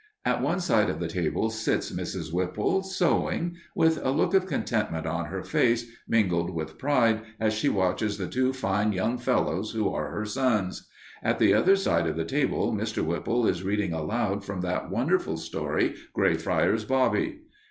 At one side of the table sits Mrs. Whipple, sewing, with a look of contentment on her face, mingled with pride as she watches the two fine young fellows who are her sons. At the other side of the table Mr. Whipple is reading aloud from that wonderful story, "Greyfriars Bobby."